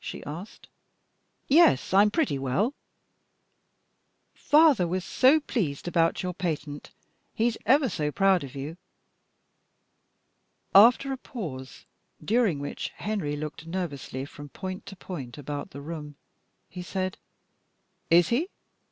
she asked. "Yes, I'm pretty well." "Father was so much pleased about your patent. He's ever so proud of you." After a pause, during which Henry looked nervously from point to point about the room, he said "Is he?"